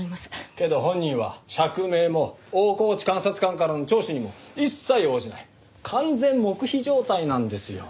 けど本人は釈明も大河内監察官からの聴取にも一切応じない完全黙秘状態なんですよ。